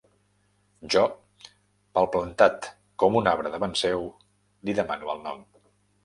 Jo, palplantat com un arbre davant seu, li demano el nom.